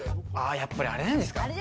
やっぱり、あれなんじゃないですか？